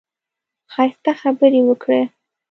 ښايسته خبرې وکړه.